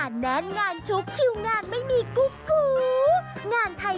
จ๊อแจะริมจ้อ